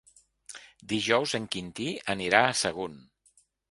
Dijous en Quintí irà a Sagunt.